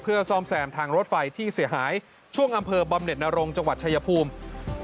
เพื่อซ่อมแซมทางรถไฟที่เสียหายช่วงอำเภอบำเน็ตนรงจังหวัดชายภูมิ